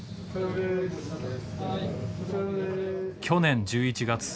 去年１１月。